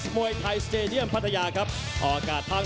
สวัสดีทุกคน